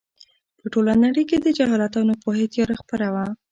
په ټوله نړۍ کې د جهالت او ناپوهۍ تیاره خپره وه.